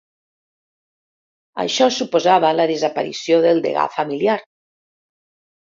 Això suposava la desaparició del degà familiar.